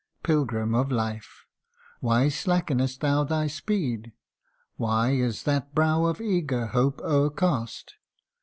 Pilgrim of Life ! why slackenest thou thy speed ? Why is that brow of eager hope o'ercast